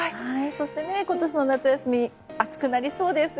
そして今年の夏休みも暑くなりそうです。